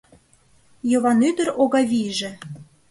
Йыван ӱдыр Огавийже